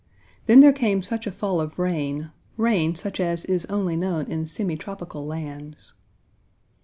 Then there came such a fall of rain rain such as is only known in semitropical lands.